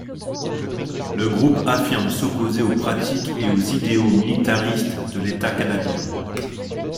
Le groupe affirme s'opposer aux pratiques et aux idéaux militaristes de l'État canadien.